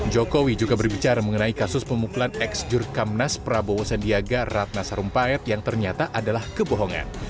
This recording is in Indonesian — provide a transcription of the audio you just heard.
jokowi juga berbicara mengenai kasus pemukulan ex jurkamnas prabowo sandiaga ratna sarumpayat yang ternyata adalah kebohongan